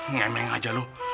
ngemeng aja lo